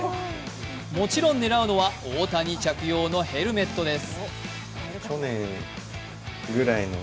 もちろん狙うのは大谷着用のヘルメットです。